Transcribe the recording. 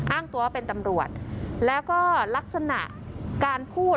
อ้างตัวเป็นตำรวจแล้วก็ลักษณะการพูด